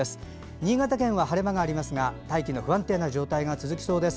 新潟県は晴れ間がありますが大気の不安定な状態が続きそうです。